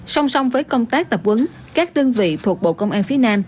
song song với công tác tập huấn các đơn vị thuộc bộ công an phía nam